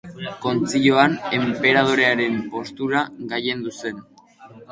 Kontzilioan enperadorearen postura gailendu zen.